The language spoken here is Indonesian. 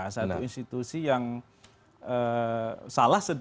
satu institusi yang salah